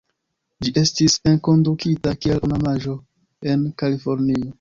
Ĝi estis enkondukita kiel ornamaĵo en Kalifornio.